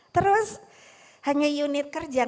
terus hanya unit kerja